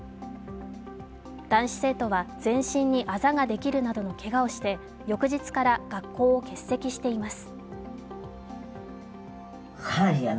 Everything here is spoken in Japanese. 男子生徒は全身にあざができるなどのけがをしていて翌日から学校を欠席しています